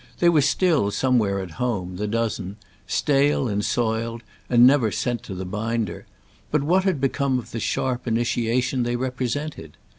They were still somewhere at home, the dozen—stale and soiled and never sent to the binder; but what had become of the sharp initiation they represented?